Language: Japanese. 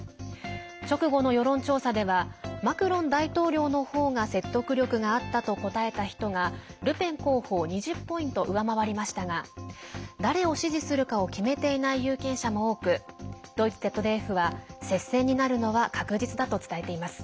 直後の世論調査ではマクロン大統領のほうが説得力があったと答えた人がルペン候補を２０ポイント上回りましたが誰を支持するかを決めていない有権者も多くドイツＺＤＦは接戦になるのは確実だと伝えています。